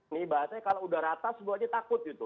nibah saya kalau udah rata sebuahnya takut gitu